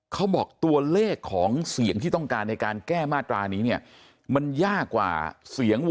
เขาบอกตัวเลขของเสียงที่ต้องการในการแก้มาตรานี้เนี่ย